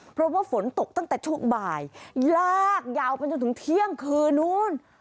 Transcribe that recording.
เพราะว่าฝนตกตั้งแต่ช่วงบ่ายลากยาวไปจนถึงเที่ยงคืนนู้น